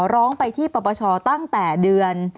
ร้องไปที่ปปชตั้งแต่เดือน